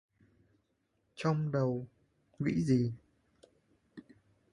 trong đầu của Trinh suy nghĩ